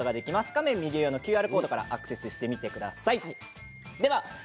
画面右上のＱＲコードからアクセスしてみてください。